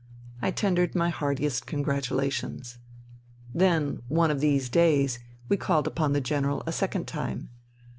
I tendered my heartiest congratulations. Then " one of these days " we called upon the General a second time.